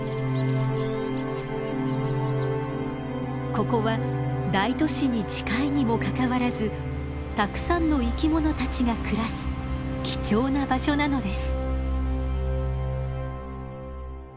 ここは大都市に近いにもかかわらずたくさんの生き物たちが暮らす貴重な場所なのです。